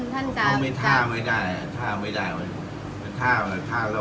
เขาไม่ทาไม่ได้